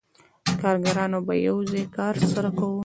کارګرانو به یو ځای کار سره کاوه